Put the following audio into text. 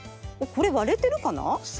これわれてるかな？